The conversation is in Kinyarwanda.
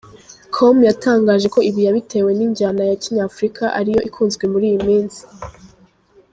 com yatangaje ko ibi yabitewe injyna ya kinyafurika ariyo ikunzwe muri iyi minsi.